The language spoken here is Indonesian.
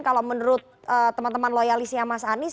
kalau menurut teman teman loyalisnya mas anies